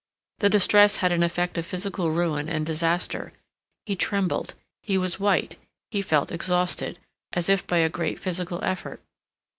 The distress had an effect of physical ruin and disaster. He trembled; he was white; he felt exhausted, as if by a great physical effort.